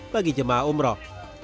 bagi jemaah umrah